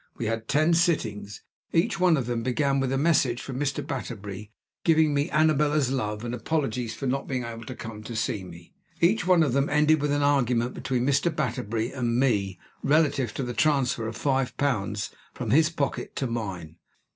We had ten sittings. Each one of them began with a message from Mr. Batterbury, giving me Annabella's love and apologies for not being able to come and see me. Each one of them ended with an argument between Mr. Batterbury and me relative to the transfer of five pounds from his pocket to mine.